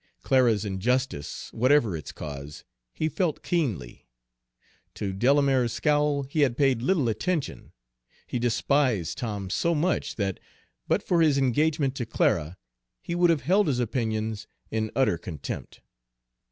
Clara's injustice, whatever its cause, he felt keenly. To Delamere's scowl he had paid little attention, he despised Tom so much that, but for his engagement to Clara, he would have held his opinions in utter contempt.